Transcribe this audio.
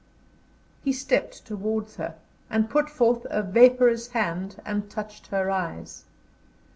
He stepped towards her, and put forth a vaporous hand and touched her eyes.